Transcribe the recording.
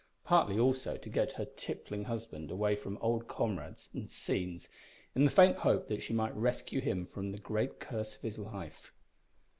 Partly, also, to get her tippling husband away from old comrades and scenes, in the faint hope that she might rescue him from the great curse of his life.